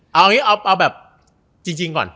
เอาอย่างนี้เอาแบบจริงก่อน